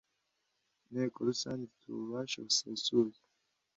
Inteko Rusange ifite ububasha busesuye